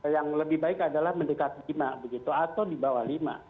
yang lebih baik adalah mendekat lima begitu atau di bawah lima